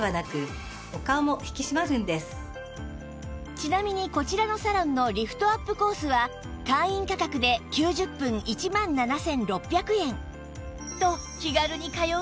ちなみにこちらのサロンのリフトアップコースは会員価格で９０分１万７６００円